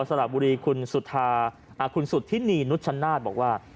สลับบุรีคุณสุธินีนุชนาศบอกว่า